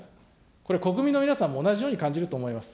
これ、国民の皆さんも同じように感じると思います。